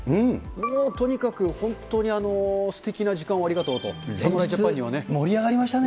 もうとにかく本当にすてきな時間をありがとうと、侍ジャパンには盛り上がりましたね。